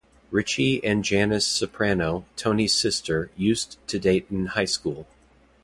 Richie and Janice Soprano, Tony's sister, used to date in high school.